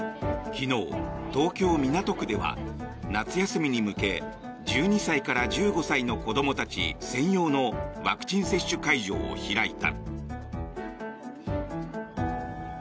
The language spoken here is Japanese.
昨日、東京・港区では夏休みに向け１２歳から１５歳の子どもたち専用のワクチン接種会場を開いた。